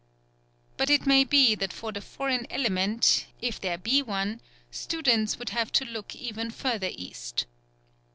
But it may be that for the foreign element, if there be one, students would have to look even further east.